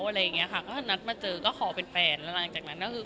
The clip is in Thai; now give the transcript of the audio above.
อะไรอย่างเงี้ยค่ะก็ถ้านัดมาเจอก็ขอเป็นแฟนแล้วหลังจากนั้นก็คือ